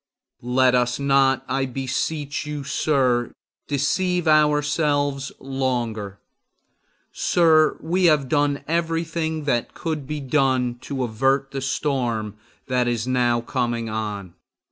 Let us not, I beseech you, sir, deceive ourselves longer. Sir, we have done everything that could be done to avert the storm that is now coming on.